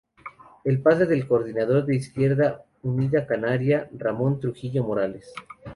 Es padre del coordinador de Izquierda Unida Canaria, Ramón Trujillo Morales.